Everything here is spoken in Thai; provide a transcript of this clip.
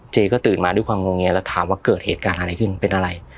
เจก็ตื่นมาด้วยความงงแยแล้วถามว่าเกิดเหตุการณ์อะไรขึ้นเป็นอะไร